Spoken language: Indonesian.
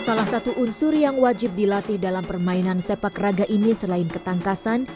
salah satu unsur yang wajib dilatih dalam permainan sepak raga ini selain ketangkasan